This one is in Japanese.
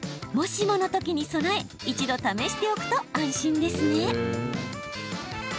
もしものときに備え一度試しておくと安心ですね。